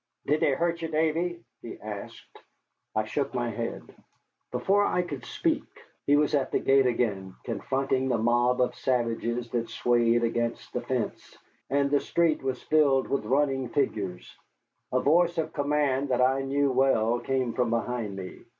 "Did they hurt ye, Davy?" he asked. I shook my head. Before I could speak he was at the gate again, confronting the mob of savages that swayed against the fence, and the street was filled with running figures. A voice of command that I knew well came from behind me.